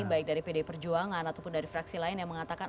baik dari pdi perjuangan ataupun dari fraksi lain yang mengatakan